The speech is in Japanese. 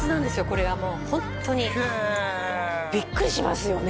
これがもうホントにへえビックリしますよね